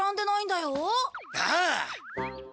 ああ。